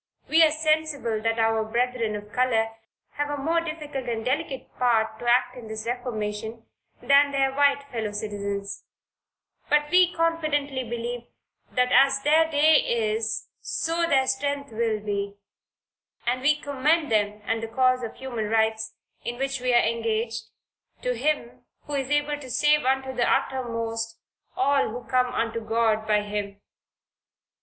We are sensible that our brethren of color have a more difficult and delicate part to act in this reformation, than their white fellow citizens; but we confidently believe, that as their day is, so their strength will be; and we commend them and the cause of human rights, in which we are engaged, to Him who is able to save unto the uttermost all who come unto God by Him.